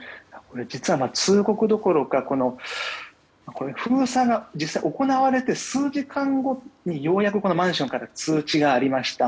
通告どころか封鎖が実際、行われて数時間後にようやくマンションから通知がありました。